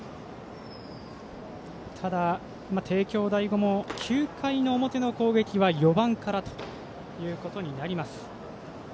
ただ、帝京第五も９回の表の攻撃は４番からということになります。